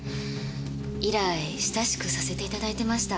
以来親しくさせていただいてました。